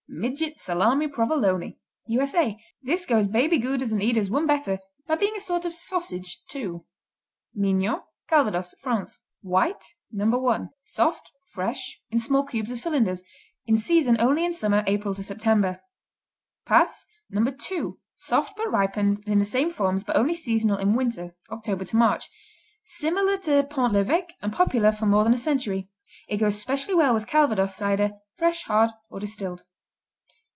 Midget Salami Provolone U.S.A. This goes Baby Goudas and Edams one better by being a sort of sausage, too. Mignot Calvados, France White, No. I: Soft; fresh; in small cubes or cylinders; in season only in summer, April to September. Passe, No. II: Soft but ripened, and in the same forms, but only seasonal in winter, October to March. Similar to Pont l'Evêque and popular for more than a century. It goes specially well with Calvados cider, fresh, hard or distilled.